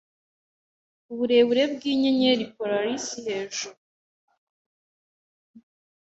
uburebure bwinyenyeri Polaris hejuru